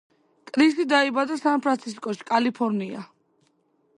კრისი დაიბადა სან ფრანცისკოში, კალიფორნია.